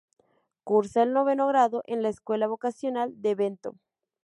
Cursa el noveno grado en la Escuela Vocacional de Vento.